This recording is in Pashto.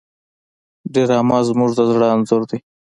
ډرامه زموږ د زړه انځور دی